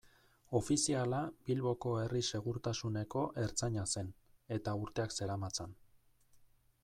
Ofiziala Bilboko herri-segurtasuneko ertzaina zen, eta urteak zeramatzan.